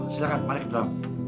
silahkan mari kita